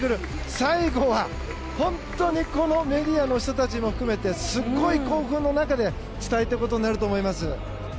最後は、本当にこのメディアの人たちも含めてすごい興奮の中で伝えていくことになると思います。